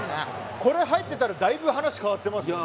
これが入ってたらだいぶ話が変わってますよね。